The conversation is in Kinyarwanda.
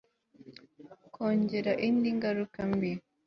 kongera indi ngaruka mbi